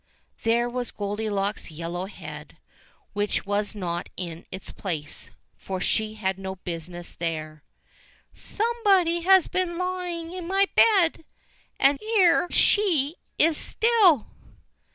There was Goldilocks' yellow head — which was not in its place, for she had no business there. "somebody has been lying in my bed, — AND HERE SHE IS STILL